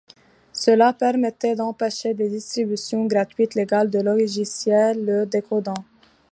Cela permettait d'empêcher des distributions gratuites légales de logiciels le décodant.